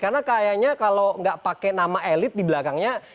karena kayaknya kalau nggak pakai nama elit di belakangnya